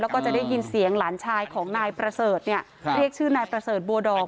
แล้วก็จะได้ยินเสียงหลานชายของนายประเสริฐเนี่ยเรียกชื่อนายประเสริฐบัวดอก